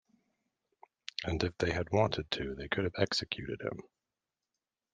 And if they had wanted to they could have executed him.